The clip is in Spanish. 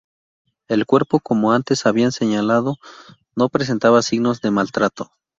El cuerpo como antes habían señalado no presentaba signos de maltrato.